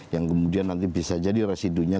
yang kemudian nanti bisa jadi residunya